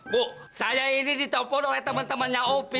bu saya ini ditelpon oleh teman temannya opi